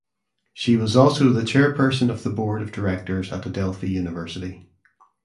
She was also the chairperson of the board of directors at Adelphi University.